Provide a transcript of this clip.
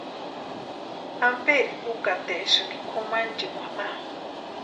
¿Amperi úkataesïni kʼumanchikwa ma?